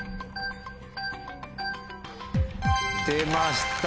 出ました